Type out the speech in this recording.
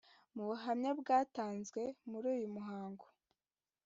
Mu buhamya bwatanzwe muri uyu muhango